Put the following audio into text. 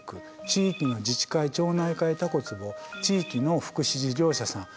地域の自治会・町会内たこつぼ地域の福祉事業者さん